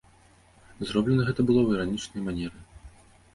Зроблена гэта было ў іранічнай манеры.